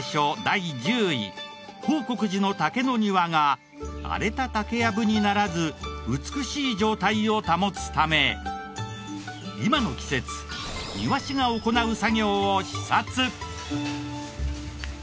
第１０位報国寺の竹の庭が荒れた竹やぶにならず美しい状態を保つため今の季節庭師が行う作業を視察。